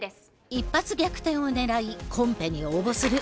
一発逆転を狙いコンペに応募する。